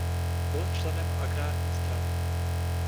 Byl členem agrární strany.